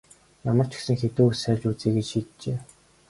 Ямар ч гэсэн хэдэн үг сольж үзье гэж шийджээ.